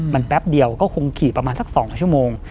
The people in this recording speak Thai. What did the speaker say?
มันแป๊บเดียวก็คงขี่ประมาณสัก๒ชั่วโมง